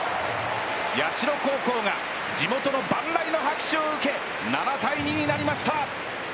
社高校が地元の万雷の拍手を受け７対２になりました。